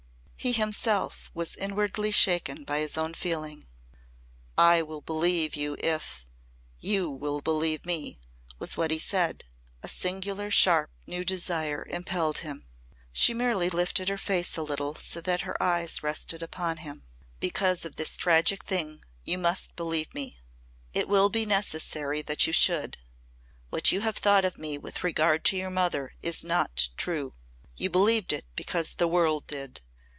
He himself was inwardly shaken by his own feeling. "I will believe you if you will believe me," was what he said, a singular sharp new desire impelling him. She merely lifted her face a little so that her eyes rested upon him. "Because of this tragic thing you must believe me. It will be necessary that you should. What you have thought of me with regard to your mother is not true. You believed it because the world did.